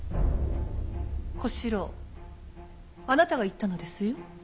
小四郎あなたが言ったのですよ。